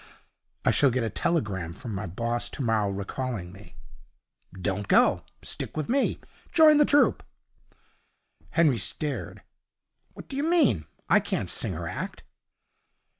'I shall get a telegram from my boss tomorrow recalling me.' 'Don't go. Stick with me. Join the troupe.' Henry stared. 'What do you mean? I can't sing or act.'